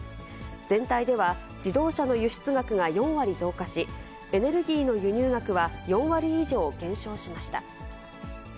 全体では、自動車の輸出額が４割増加し、エネルギーの輸入額は４割以上減少しました。